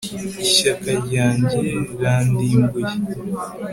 ishyaka ryanjye rirandimbuye